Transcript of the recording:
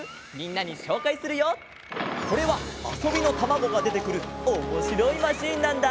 これはあそびのたまごがでてくるおもしろいマシーンなんだ！